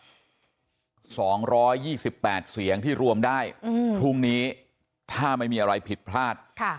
สองร้อยยี่สิบแปดเสียงที่รวมได้พรุ่งนี้ถ้าไม่มีอะไรผิดพลาด